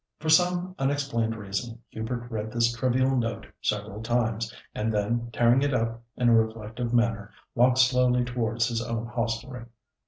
For some unexplained reason Hubert read this trivial note several times, and then tearing it up in a reflective manner, walked slowly towards his own hostelry.